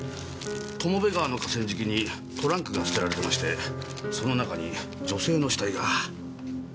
友部川の河川敷にトランクが捨てられてましてその中に女性の死体が。